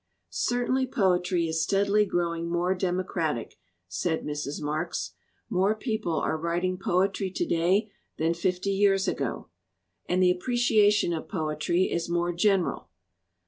"Certainly, poetry is steadily growing more democratic," said Mrs. Marks. "More people are writing poetry to day than fifty years ago, and the appreciation of poetry is more general.